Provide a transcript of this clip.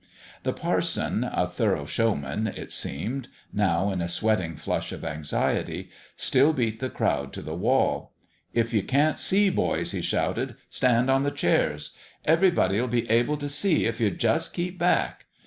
The par son, a thorough showman, it seemed now in a sweating flush of anxiety still beat the crowd to the wall. " If you can't see, boys," he shouted, " stand on the chairs. Everybody '11 be able to see if you just keep back.